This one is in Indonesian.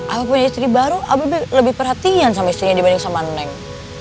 aku punya istri baru abibie lebih perhatian sama istrinya dibanding sama neng